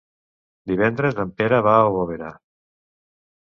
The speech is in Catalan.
Divendres en Pere va a Bovera.